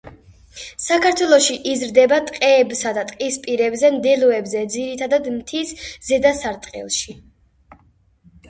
საქართველოში იზრდება ტყეებსა და ტყისპირებზე, მდელოებზე, ძირითადად მთის ზედა სარტყელში.